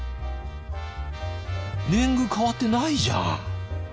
年貢変わってないじゃん！